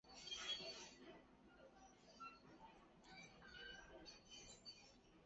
唐人墓是位于日本冲绳县石垣市观音崎的华人墓地。